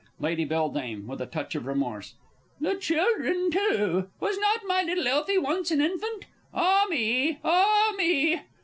Lady B. (with a touch of remorse). The children too! Was not my little Elfie once an infant? Ah me, ah me!